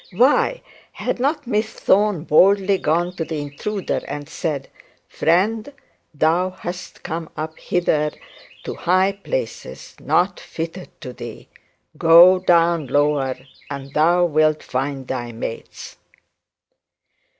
Why had not Miss Thorne boldly gone to the intruder and said: 'Friend, thou hast come up hither to high places not fitted for thee. Go down lower, and thou wilt find thy mates.'